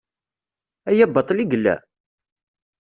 Aya baṭel i yella?